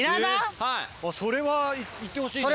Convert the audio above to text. それはいってほしいね。